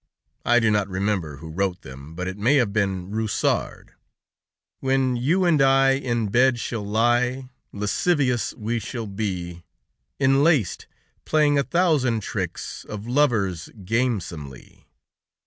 I do not remember who wrote them, but it may have been Rousard: "When you and I in bed shall lie, Lascivious we shall be, Enlaced, playing a thousand tricks, Of lovers, gamesomely.